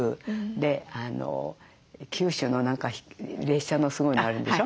で九州の何か列車のすごいのあるんでしょ？